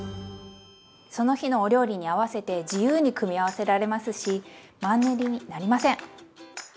その日のお料理に合わせて自由に組み合わせられますしマンネリになりません！